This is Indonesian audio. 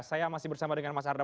saya masih bersama dengan mas arda